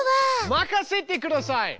任せてください！